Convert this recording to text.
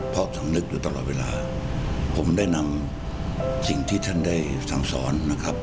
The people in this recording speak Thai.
เพราะสำนึกอยู่ตลอดเวลาผมได้นำสิ่งที่ท่านได้สั่งสอนนะครับ